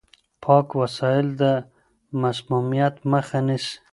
پاک وسايل د مسموميت مخه نيسي.